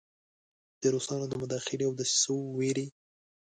د روسانو د مداخلې او دسیسو ویرې.